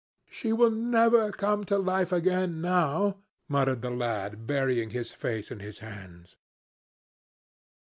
"She will never come to life again now," muttered the lad, burying his face in his hands.